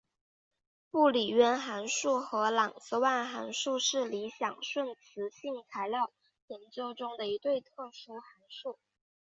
布里渊函数和郎之万函数是理想顺磁性材料研究中的一对特殊函数。